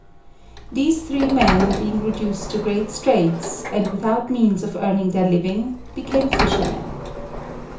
These three men being reduced to great straits, and without means of earning their living, became fishermen.